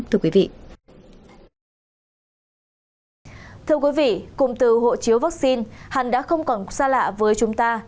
thưa quý vị cùng từ hộ chiếu vaccine hắn đã không còn xa lạ với chúng ta